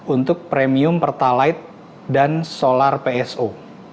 untuk premium pertalite dan solar pso